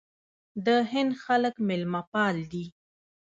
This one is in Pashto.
د هند خلک میلمه پال دي.